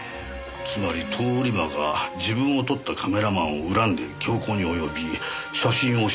つまり通り魔が自分を撮ったカメラマンを恨んで凶行に及び写真を消去したという事でしょうか。